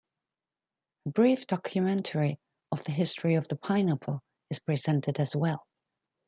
A brief documentary of the history of the pineapple is presented as well.